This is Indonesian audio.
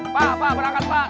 pa pa berangkat pa